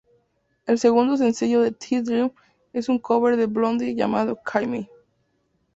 El segundo sencillo de "The Dream" es un cover de Blondie llamado "Call Me".